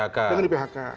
dengan di phk